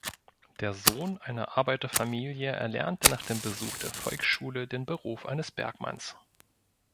Der Sohn einer Arbeiterfamilie erlernte nach dem Besuch der Volksschule den Beruf eines Bergmanns.